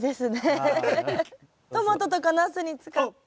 トマトとかナスに使った。